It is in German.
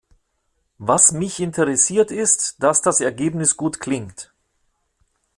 Was mich interessiert ist, dass das Ergebnis gut klingt“.